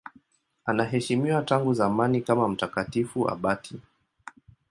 Anaheshimiwa tangu zamani kama mtakatifu abati.